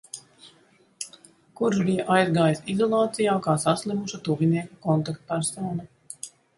Kurš bija aizgājis izolācijā kā saslimuša tuvinieka kontaktpersona.